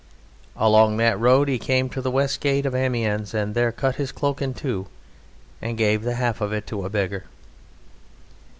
Along that road he came to the west gate of Amiens and there cut his cloak in two and gave the half of it to a beggar."